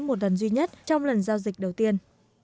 một lần duy nhất trong lần giao dịch đầu tiên